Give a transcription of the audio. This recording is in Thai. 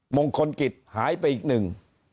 มงคลกิจหายไปอีกหนึ่ง